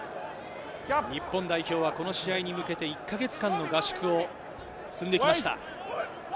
日本代表はこの試合に向けて１か月間の合宿を積んできました。